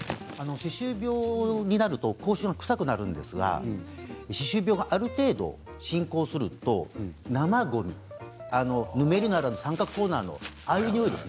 歯周病になると口臭が臭くなるんですが歯周病がある程度進行すると生ごみぬめりのある三角コーナーのああいう、においです。